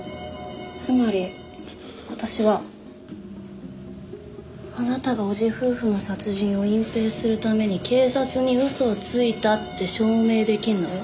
つまり私はあなたが叔父夫婦の殺人を隠蔽するために警察に嘘をついたって証明出来るのよ。